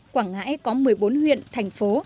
quảng ngãi có một mươi bốn huyện thành phố